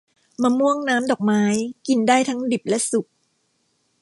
มะม่วงน้ำดอกไม้ กินได้ทั้งดิบและสุก